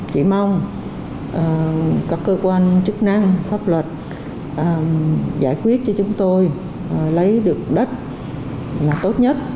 chỉ mong các cơ quan chức năng pháp luật giải quyết cho chúng tôi lấy được đất là tốt nhất